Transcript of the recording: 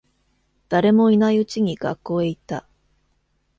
誰もいないうちに学校へ行った。